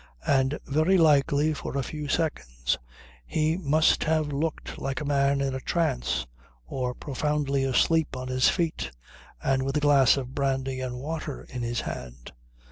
And very likely for a few seconds he must have looked like a man in a trance or profoundly asleep on his feet, and with a glass of brandy and water in his hand.